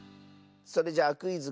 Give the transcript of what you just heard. それじゃあ「クイズ！